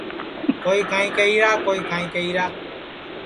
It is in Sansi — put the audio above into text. کوئی کائیں کہیرا کوئی کائیں کہیرا